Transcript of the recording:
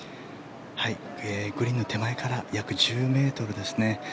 グリーンの手前から約１０ｍですね。